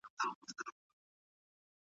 که څېړونکی خپلواک وي نو پایلې به یې سمې وي.